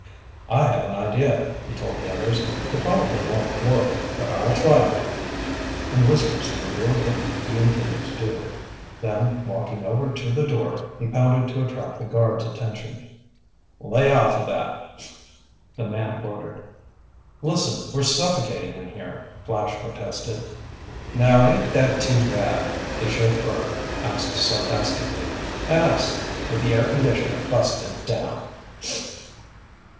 "I have an idea," he told the others. "It probably won't work, but I'll try it!" In whispers he revealed what he intended to do. Then walking over to the door, he pounded to attract the guard's attention. "Lay off of that!" the man ordered. "Listen, we're suffocating in here," Flash protested. "Now ain't that too bad?" the chauffeur asked sarcastically. "And us with the air conditioner busted down!"